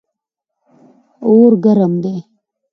اور ګرم دی.